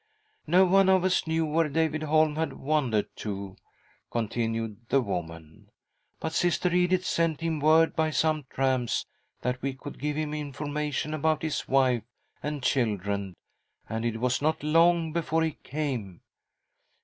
" None of us knew where David Holm had wandered to," continued the woman, "but Sister Edith sent him word by some tramps that we could give him information about h'is wife and children Dw ■■■. 98 THY SOUL SHALL BEAR WITNESS ! and it was not long before he came.